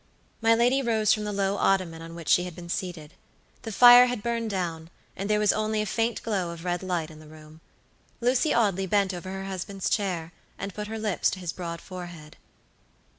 My lady rose from the low ottoman on which she had been seated. The fire had burned down, and there was only a faint glow of red light in the room. Lucy Audley bent over her husband's chair, and put her lips to his broad forehead.